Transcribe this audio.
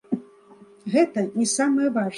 Гэта не самае важнае.